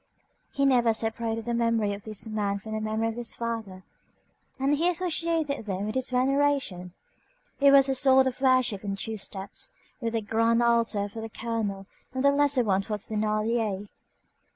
He never separated the memory of this man from the memory of his father, and he associated them in his veneration. It was a sort of worship in two steps, with the grand altar for the colonel and the lesser one for Thénardier.